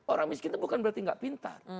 orang miskin itu bukan berarti nggak pintar